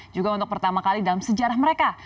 juga untuk pertama kali dalam sejarah mereka